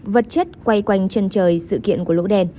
vật chất quay quanh chân trời sự kiện của lỗ đen